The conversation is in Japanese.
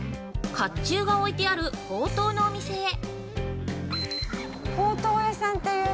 かっちゅうが置いてあるほうとうのお店へ。